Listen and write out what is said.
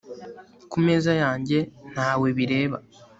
ku meza yanjye ntawe bireba